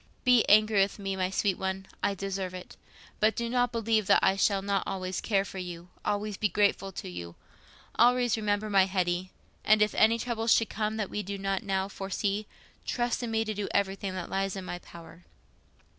Be angry with me, my sweet one, I deserve it; but do not believe that I shall not always care for you—always be grateful to you—always remember my Hetty; and if any trouble should come that we do not now foresee, trust in me to do everything that lies in my power.